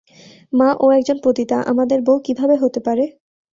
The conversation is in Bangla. মা, ও একজন পতিতা, আমাদের বউ কিভাবে হতে পারে?